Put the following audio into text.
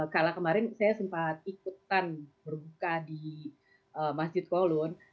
kalau kemarin saya sempat ikutan berbuka di masjid kolun